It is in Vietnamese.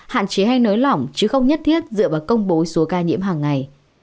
hạn chế hay nới lỏng chứ không nhất thiết dựa vào công bố số ca nhiễm hàng ngày